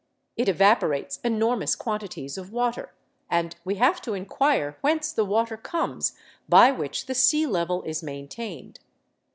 It evaporates enormous quantities of water, and we have to inquire whence the water comes by which the sea level is maintained.